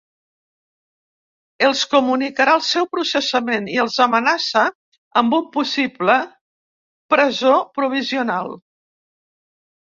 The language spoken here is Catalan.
Els comunicarà el seu processament i els amenaça amb un possible presó provisional.